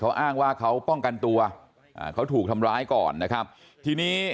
เขาอ้างว่าเขาป้องกันตัวอ่าเขาถูกทำร้ายก่อนนะครับทีนี้